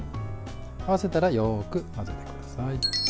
合わせたらよく混ぜてください。